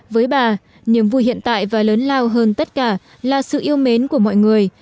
với bà niềm vui hiện tại và lớn lao hơn tất cả là sự yêu mến của mọi người